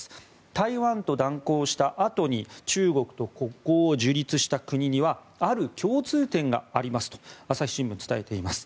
台湾と断交したあとに中国と国交を樹立した国にはある共通点がありますと朝日新聞は伝えています。